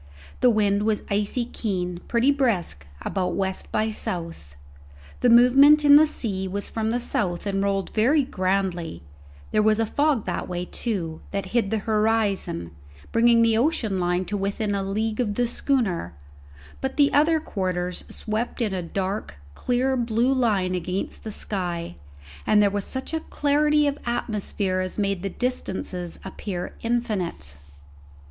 The wind was icy keen, pretty brisk, about west by south; the movement in the sea was from the south, and rolled very grandly; there was a fog that way, too, that hid the horizon, bringing the ocean line to within a league of the schooner; but the other quarters swept in a dark, clear, blue line against the sky, and there was such a clarity of atmosphere as made the distances appear infinite.